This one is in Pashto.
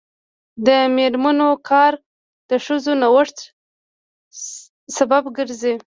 د میرمنو کار د ښځو نوښت سبب ګرځي.